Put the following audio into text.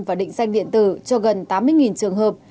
và định danh điện tử cho gần tám mươi trường hợp